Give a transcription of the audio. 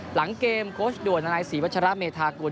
หลังเกมโคชด่วนอศิวชะระเมธากุล